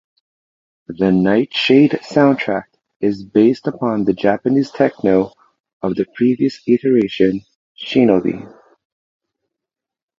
The "Nightshade" soundtrack is based upon the Japanese techno of the previous iteration, "Shinobi".